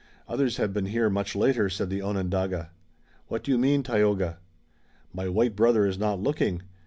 "Others have been here much later," said the Onondaga. "What do you mean, Tayoga?" "My white brother is not looking.